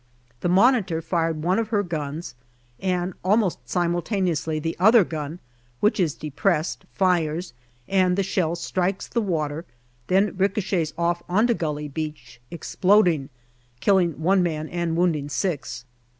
The Monitor fired one of her guns, and almost simultaneously the other gun, which is depressed, fires, and the shell strikes the water, then ricochets off on to Gully Beach, exploding, killing one man and wounding six.